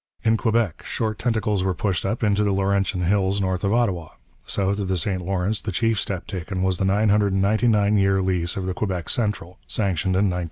In Quebec, short tentacles were pushed up into the Laurentian hills north of Ottawa; south of the St Lawrence the chief step taken was the 999 year lease of the Quebec Central, sanctioned in 1912.